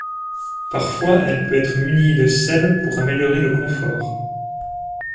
Parfois elle peut être munie de selles pour améliorer le confort.